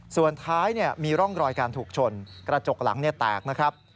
ส่วนท้ายมีร่องรอยการถูกชนกระจกหลังแตกนะครับ